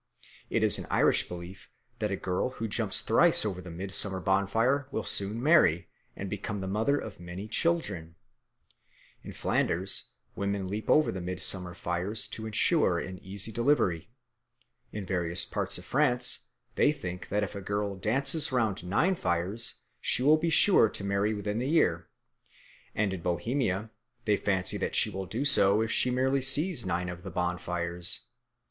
It is an Irish belief that a girl who jumps thrice over the midsummer bonfire will soon marry and become the mother of many children; in Flanders women leap over the midsummer fires to ensure an easy delivery; in various parts of France they think that if a girl dances round nine fires she will be sure to marry within the year, and in Bohemia they fancy that she will do so if she merely sees nine of the bonfires.